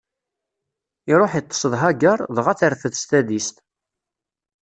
Iṛuḥ iṭṭeṣ d Hagaṛ, dɣa terfed s tadist.